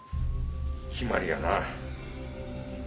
決まりやな。